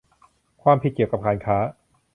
ความผิดเกี่ยวกับการค้า